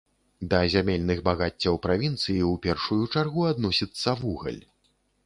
Да зямельных багаццяў правінцыі ў першую чаргу адносіцца вугаль.